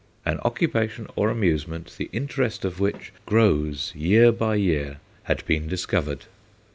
An occupation or amusement the interest of which grows year by year had been discovered.